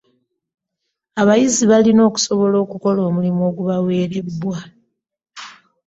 Abayizi balina okusobola okukola omulimu ogubaweereddwa.